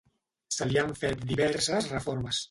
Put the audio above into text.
Se li han fet diverses reformes.